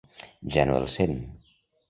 Ja no el sent.